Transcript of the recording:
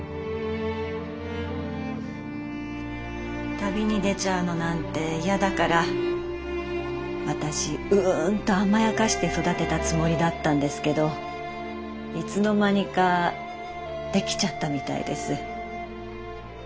旅に出ちゃうのなんて嫌だから私うんと甘やかして育てたつもりだったんですけどいつの間にかできちゃったみたいです。